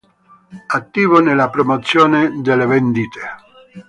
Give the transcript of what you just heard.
Attivo nella Promozione delle Vendite.